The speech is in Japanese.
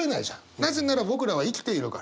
なぜなら僕らは生きているから。